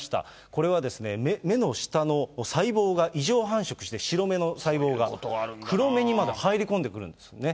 これはですね、目の下の細胞が異常繁殖して白目の細胞が黒目にまで入り込んでくるんですね。